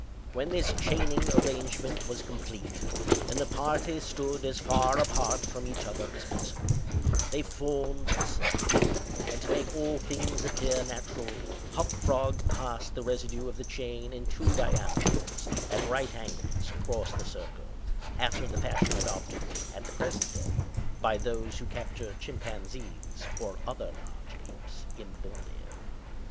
When this chaining arrangement was complete, and the party stood as far apart from each other as possible, they formed a circle; and to make all things appear natural, Hop Frog passed the residue of the chain in two diameters, at right angles, across the circle, after the fashion adopted, at the present day, by those who capture chimpanzees, or other large apes, in Borneo.